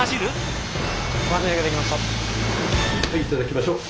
はいいただきましょう。